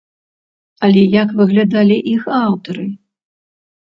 Але як выглядалі іх аўтары?